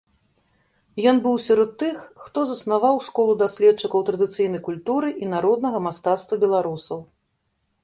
Ён быў сярод тых, хто заснаваў школу даследчыкаў традыцыйнай культуры і народнага мастацтва беларусаў.